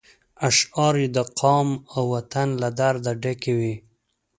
اشعار یې د قام او وطن له درده ډک وي.